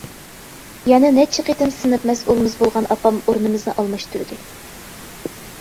يەنە نەچچە قېتىم سىنىپ مەسئۇلىمىز بولغان ئاپام ئورنىمىزنى ئالماشتۇردى.